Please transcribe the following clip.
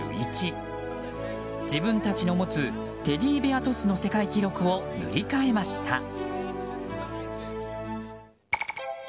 自分たちの持つテディベアトスの世界記録を塗り替えました。